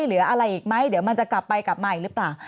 เหลืออะไรอีกไหมเดี๋ยวมันจะกลับไปกลับมาอีกหรือเปล่า